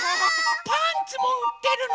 パンツもうってるの？